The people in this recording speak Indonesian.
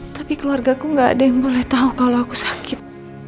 tapi keluarga ku gak ada yang boleh tau kalo aku sakit